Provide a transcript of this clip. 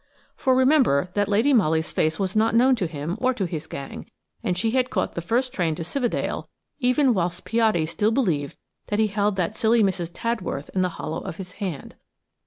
For remember that Lady Molly's face was not known to him or to his gang, and she had caught the first train to Cividale even whilst Piatti still believed that he held that silly Mrs. Tadworth in the hollow of his hand.